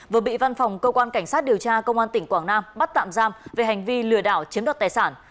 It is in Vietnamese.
vừa bị văn phòng cơ quan cảnh sát điều tra công an tỉnh quảng nam bắt tạm giam về hành vi lừa đảo chiếm đoạt tài sản